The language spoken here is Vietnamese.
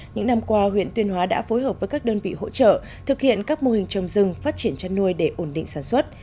những năm qua huyện tuyên hóa đã phối hợp với các đơn vị hỗ trợ thực hiện các mô hình trồng rừng phát triển chăn nuôi để ổn định sản xuất